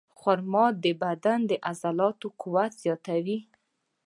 خرما د بدن د عضلاتو قوت زیاتوي.